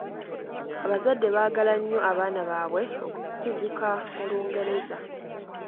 Abazadde baagala nnyo abaana baabwe okukuguka mu Lungereza.